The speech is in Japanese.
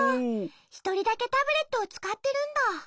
ひとりだけタブレットをつかってるんだ。